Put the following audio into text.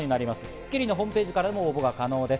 『スッキリ』のホームページからも応募が可能です。